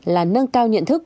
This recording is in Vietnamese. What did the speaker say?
là nâng cao nhận thức